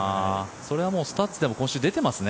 それはスタッツでも今週、出てますね。